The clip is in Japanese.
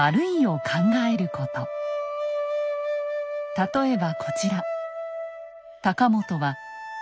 例えばこちら。